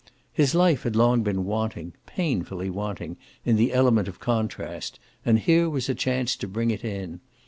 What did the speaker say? His life had long been wanting painfully wanting in the element of contrast, and here was a chance to bring it in.